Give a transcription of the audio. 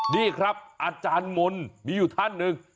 นี่ครับอาจารย์มนต์มีอยู่ท่านหนึ่ง